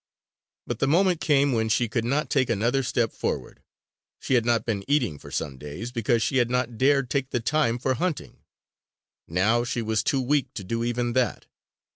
But the moment came when she could not take another step forward. She had not been eating for some days, because she had not dared take the time for hunting. Now she was too weak to do even that.